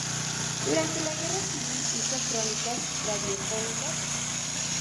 Durante la Guerra Civil hizo crónicas radiofónicas.